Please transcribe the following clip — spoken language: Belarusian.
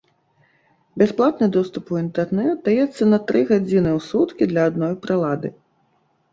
Бясплатны доступ у інтэрнэт даецца на тры гадзіны ў суткі для адной прылады.